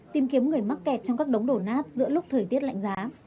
tìm kiếm người mắc kẹt trong các đống đổ nát giữa lúc thời tiết lạnh giá